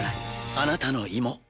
あなたの胃も。